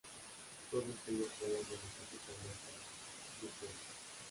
Todos ellos se hallan en la capital del país, Bruselas.